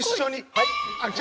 はい？